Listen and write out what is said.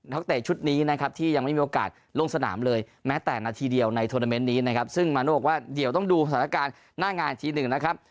นักเตะชุดนี้นะครับที่ยังไม่มีโอกาสลงสนามเลยแม้แต่นาทีเดียวในโทรนาเมนต์นี้นะครับซึ่งมาโน่บอกว่าเดี๋ยวต้องดูสถานการณ์หน้างานอีกทีหนึ่งนะครับ